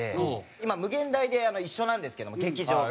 今∞で一緒なんですけども劇場が。